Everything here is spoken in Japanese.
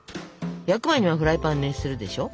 焼く前にはフライパン熱するでしょ？